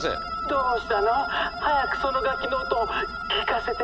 「どうしたの？早くその楽器の音を聞かせてちょうだい」。